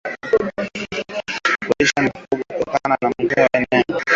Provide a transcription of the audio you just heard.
Kulisha mifugo katika eneo lenye majimaji au bwawa